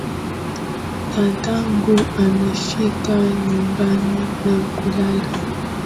Dadangu amefika nyumbani na kulala.